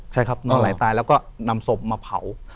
ใช่ครับนอนไหลตายแล้วก็นำศพมาเผา